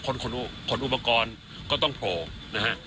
ขนอุปกรณ์ก็ต้องโผล่นะฮะ